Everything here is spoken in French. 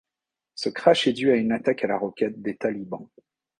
Ce crash est dû à une attaque à la roquette des talibans.